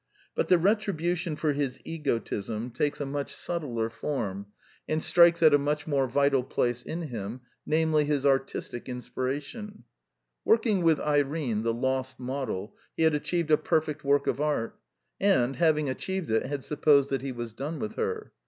But the retribution for his egotism takes a 178 The Quintessence of Ibsenism much subtler form, and strikes at a much more vital place in him : namely, his artistic inspiration. Working with Irene, the lost model, he had achieved a perfect work of art; and, having achieved it, had supposed that he was done with her.